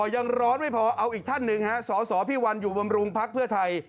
ยังร้อนไม่พออีกท่านหนึ่งสสพิวัลอยู่บำรุงพักฝิทัย